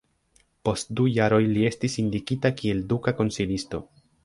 Post du jaroj li estis indikita kiel duka konsilisto.